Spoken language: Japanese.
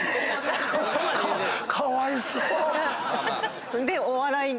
かわいそう。